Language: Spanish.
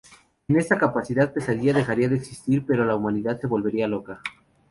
Sin esta capacidad, Pesadilla dejaría de existir, pero la humanidad se volvería loca.